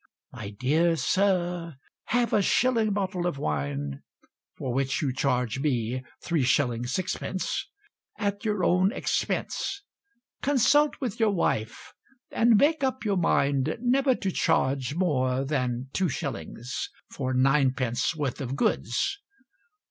My dear Sir, Have a shilling bottle of wine (For which you charge me 3s. 6d.) At your own expense, Consult with your wife, And make up your mind Never to charge More than 2s. For 9d. worth of goods.